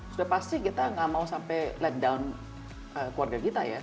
sudah pasti kita nggak mau sampai led down keluarga kita ya